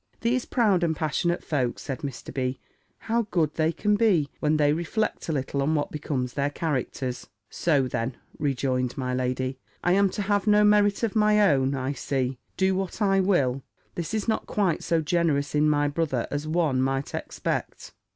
"These proud and passionate folks," said Mr. B., "how good they can be, when they reflect a little on what becomes their characters!" "So, then," rejoined my lady, "I am to have no merit of my own, I see, do what I will. This is not quite so generous in my brother, as one might expect."